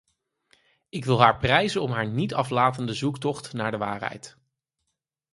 Ik wil haar prijzen om haar niet-aflatende zoektocht naar de waarheid.